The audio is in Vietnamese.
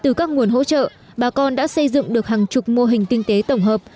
từ các nguồn hỗ trợ bà con đã xây dựng được hàng chục mô hình kinh tế tổng hợp